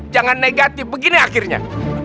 jangan negatif begini akhirnya